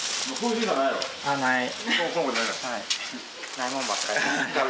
ないもんばっかり。